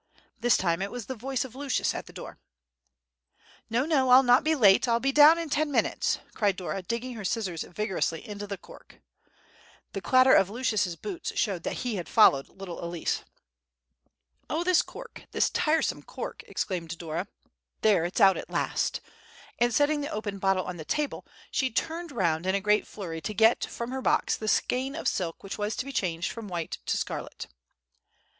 This time it was the voice of Lucius at the door. "No, no, I'll not be late; I'll be down in ten minutes!" cried Dora, digging her scissors vigorously into the cork. The clatter of Lucius's boots showed that he had followed little Elsie. "Oh, this cork, this tiresome cork!" exclaimed Dora; "there, it's out at last;" and setting the opened bottle on the table, she turned round in a great flurry to get from her box the skein of silk which was to be changed from white to scarlet.